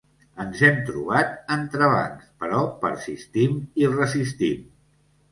Ens hem trobat entrebancs, però persistim i resistim.